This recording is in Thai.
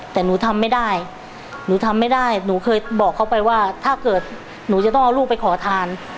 แต่หนูทำไม่ได้หนูทำไม่ได้หนูเคยบอกเขาไปว่าถ้าเกิดหนูจะต้องเอาลูกไปขอทาน